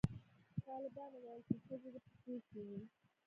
طالبانو ویل چې ښځې دې په کور کښېني